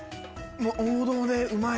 王道でうまい。